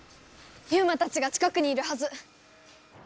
ユウマたちが近くにいるはず！